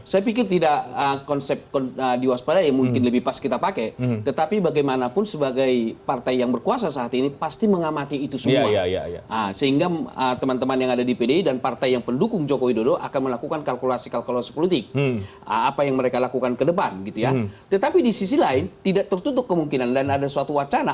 saya pikir tidak konsep diwaspadai mungkin lebih pas kita pakai tetapi bagaimanapun sebagai partai yang berkuasa saat ini pasti mengamati itu semua sehingga teman teman yang ada di pdi dan partai yang pendukung joko widodo akan melakukan kalkulasi kalkulasi politik apa yang mereka lakukan ke depan gitu ya tetapi di sisi lain tidak tertutup kemungkinan dan ada suatu wacana